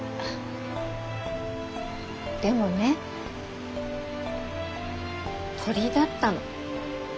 でもね鳥だったの。